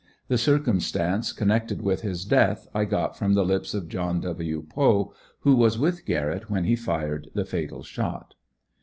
The circumstance connected with his death I got from the lips of John W. Poe, who was with Garrett when he fired the fatal shot.